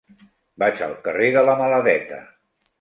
Vaig al carrer de la Maladeta.